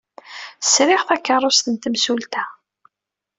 Sriɣ takeṛṛust n temsulta.